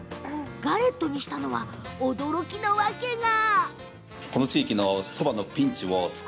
ガレットにしたのは驚きのわけが。